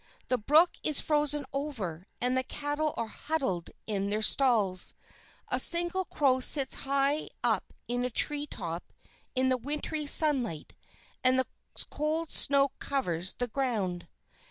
The brook is frozen over and the cattle are huddled in their stalls. A single crow sits high up in a tree top in the wintry sunlight, and the cold snow covers the ground.